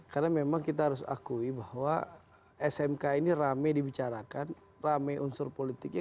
karena memang kita harus akui bahwa smk ini rame dibicarakan rame unsur politiknya